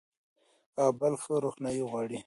کابل ښه روښنايي غواړي.